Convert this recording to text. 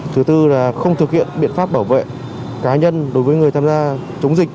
thứ tư là không thực hiện biện pháp bảo vệ cá nhân đối với người tham gia chống dịch